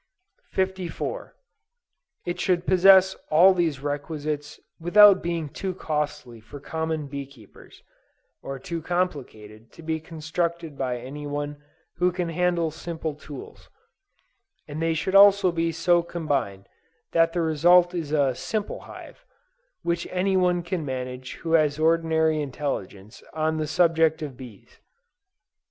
54. It should possess all these requisites without being too costly for common bee keepers, or too complicated to be constructed by any one who can handle simple tools: and they should be so combined that the result is a simple hive, which any one can manage who has ordinary intelligence on the subject of bees.